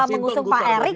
mengusung pak erik